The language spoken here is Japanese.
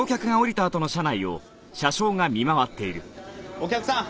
お客さん